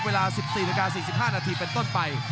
เวลา๑๔นาที๔๕นาทีเป็นต้นไป